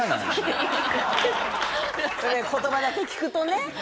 言葉だけ聞くとね。